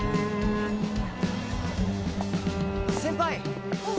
先輩！